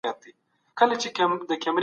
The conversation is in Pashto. ښوونځي باید په لرو پرتو سیمو کي هم جوړ سي.